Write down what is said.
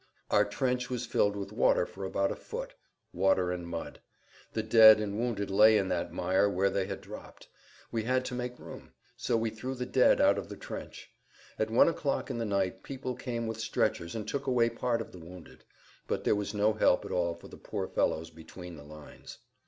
Our trench was filled with water for about a foot—water and mud. The dead and wounded lay in that mire where they had dropped. We had to make room. So we threw the dead out of the trench. At one o'clock in the night people came with stretchers and took away part of the wounded. But there was no help at all for the poor fellows between the lines.